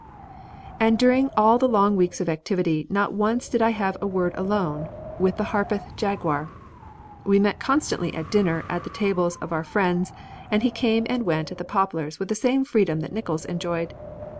And during all the long weeks of activity not once did I have a word alone with the Harpeth Jaguar. We met constantly at dinner at the tables of our friends and he came and went at the Poplars with the same freedom that Nickols enjoyed.